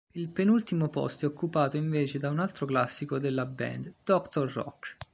Il penultimo posto è occupato invece da un altro classico della band, "Doctor Rock".